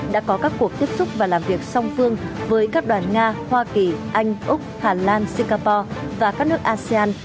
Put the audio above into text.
đã có các cuộc tiếp xúc và làm việc song phương với các đoàn nga hoa kỳ anh úc hà lan singapore và các nước asean